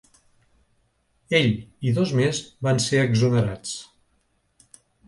Ell i dos més van ser exonerats.